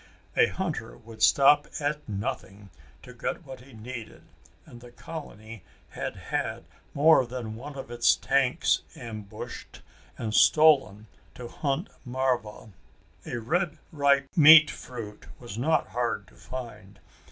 A hunter would stop at nothing to get what he needed and the colony had had more than one of its tanks ambushed and stolen to hunt marva. A red, ripe meat fruit was not hard to find.